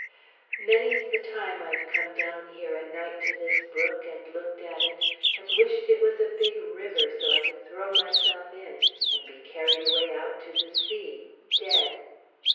"Many's the time I've come down here, at night, to this brook, and looked at it, and wished it was a big river, so I could throw myself in, and be carried away out to the sea, dead.